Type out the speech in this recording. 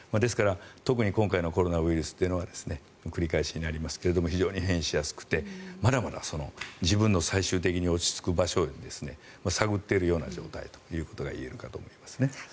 特に今回のコロナウイルスは繰り返しになりますが非常に変異しやすくてまだまだ自分の最終的に落ち着く場所を探っているような状態と言えるかと思います。